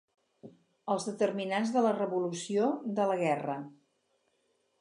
Els determinants de la revolució, de la guerra.